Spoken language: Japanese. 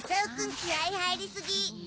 気合入りすぎ。